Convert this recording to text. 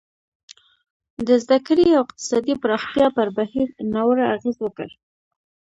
د زده کړې او اقتصادي پراختیا پر بهیر ناوړه اغېز وکړ.